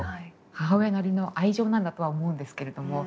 母親なりの愛情なんだとは思うんですけれども。